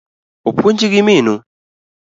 Opuonji gi minu?